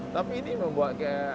tapi ini membuat kayak